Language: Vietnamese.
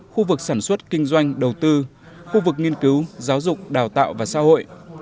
khu vực sản xuất kinh doanh đầu tư khu vực nghiên cứu giáo dục đào tạo và xã hội